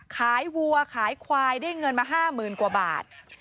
วัวขายควายได้เงินมา๕๐๐๐กว่าบาท